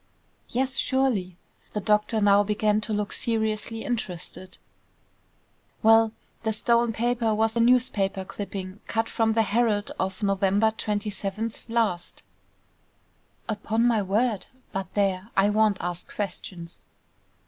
"Yes; surely." The doctor now began to look seriously interested. "Well, the stolen paper was a newspaper clipping, cut from the Herald of November 27th last." "Upon my word! But there, I won't ask questions."